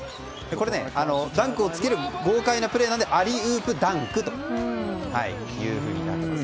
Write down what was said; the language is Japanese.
これ、ダンクをつける豪快なプレーなのでアリウープダンクというふうになっています。